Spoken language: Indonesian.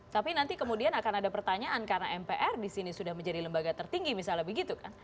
tapi nanti kemudian akan ada pertanyaan karena mpr disini sudah menjadi lembaga tertinggi misalnya begitu kan